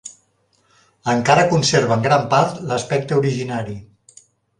Encara conserva en gran part l'aspecte originari.